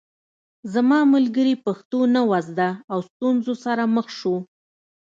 زما ملګري پښتو نه وه زده او ستونزو سره مخ شو